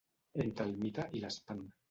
Entre el mite i l’espant.